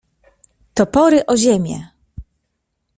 Topory o ziemię!